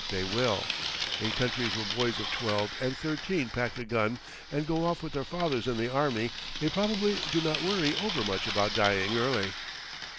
They will. In countries where boys of twelve and thirteen pack a gun and go off with their fathers in the army, they probably do not worry overmuch about dying early.